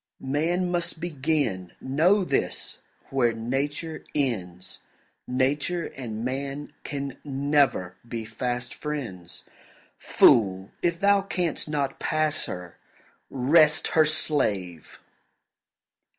Man must begin, know this, where Nature ends; Nature and man can never be fast friends. Fool, if thou canst not pass her, rest her slave!